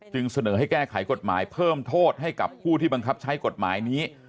เสนอให้แก้ไขกฎหมายเพิ่มโทษให้กับผู้ที่บังคับใช้กฎหมายนี้